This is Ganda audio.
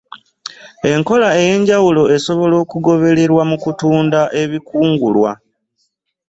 Enkola ey’enjawulo esobola okugobererwa mukutunda ebikungulwa.